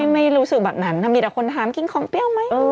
ไม่รู้สึกแบบนั้นถ้ามีแต่คนถามกินของเปรี้ยวไหม